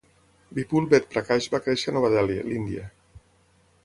Vipul Ved Prakash va créixer a Nova Delhi, l'Índia.